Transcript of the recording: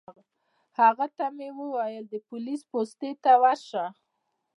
هغه ته مې وویل پولیس پوستې ته ورشه.